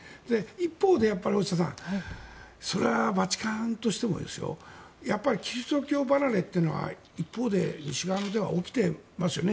一方で、大下さんそれはバチカンとしてもキリスト教離れというのは一方で西側では起きていますよね。